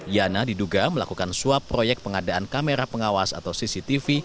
yana diduga melakukan suap proyek pengadaan kamera pengawas atau cctv